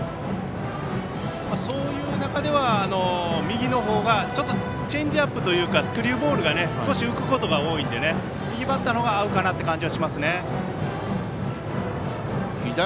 そういう中では右の方がちょっとチェンジアップというかスクリューボールが少し浮くことが多いので右バッターの方が合うかなという感じはしますね。